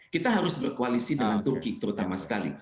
kita harus berkoalisi dengan turki terutama sekali